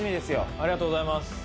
ありがとうございます。